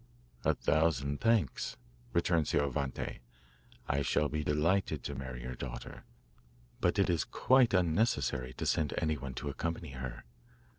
'A thousand thanks,' returned Scioravante; 'I shall be delighted to marry your daughter, but it is quite unnecessary to send anyone to accompany her.